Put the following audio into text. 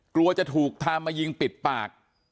กลัวจะถูกพามายิงปิดปาก